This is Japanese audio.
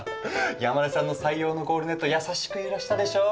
山根さんの採用のゴールネット優しく揺らしたでしょう？